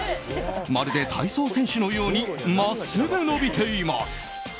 まるで体操選手のように真っすぐ伸びています。